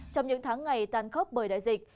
trong những tháng ngày tàn khốc bởi đại dịch